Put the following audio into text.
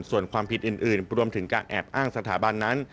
ส่วนความผิดอื่นรวมถึงการแอบอ้างสถาบันนั้น